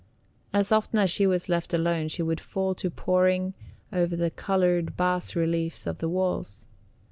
As often as she was left alone she would fall to poring over the colored bas reliefs on the walls.